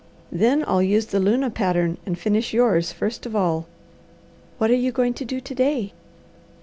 Then I'll use the luna pattern and finish yours first of all." "What are you going to do to day?"